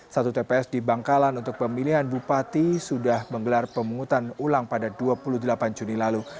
satu tps di bangkalan untuk pemilihan bupati sudah menggelar pemungutan ulang pada dua puluh delapan juni lalu